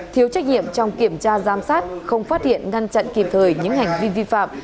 thiếu trách nhiệm trong kiểm tra giám sát không phát hiện ngăn chặn kịp thời những hành vi vi phạm